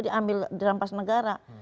diambil dirampas negara